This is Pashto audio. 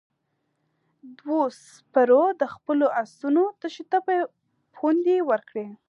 دوو سپرو د خپلو آسونو تشو ته پوندې ورکړې.